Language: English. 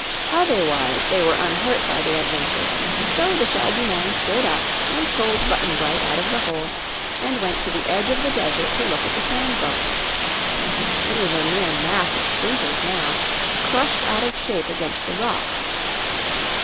Otherwise they were unhurt by the adventure; so the shaggy man stood up and pulled Button Bright out of the hole and went to the edge of the desert to look at the sand boat. It was a mere mass of splinters now, crushed out of shape against the rocks.